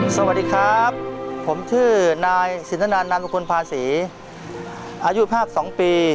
สวัสดีครับผมชื่อนายสินทนันนามบุคคลภาษีอายุ๕๒ปี